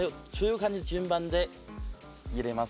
順番で入れます。